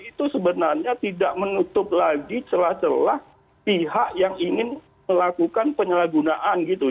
itu sebenarnya tidak menutup lagi celah celah pihak yang ingin melakukan penyalahgunaan gitu